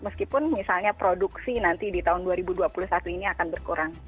meskipun misalnya produksi nanti di tahun dua ribu dua puluh satu ini akan berkurang